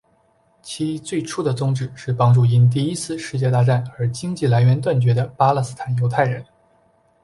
其最初的宗旨是帮助因第一次世界大战而经济来源断绝的巴勒斯坦犹太人。